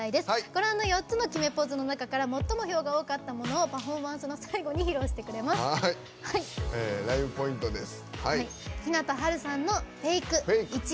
ごらんの４つの決めポーズの中から最も票が多かったものをパフォーマンスのライブポイントです。